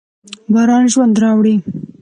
باران ژوند راوړي.